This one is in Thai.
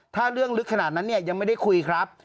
ถ้าเรื่องลึกขนาดนั้นเนี่ยยังไม่ได้คุยครับ